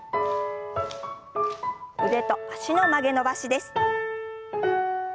腕と脚の曲げ伸ばしです。